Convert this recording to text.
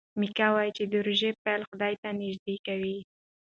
میکا وايي چې د روژې پیل خدای ته نژدې کوي.